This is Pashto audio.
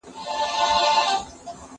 زدکړه د ښوونکي له خوا ښوول کيږي!!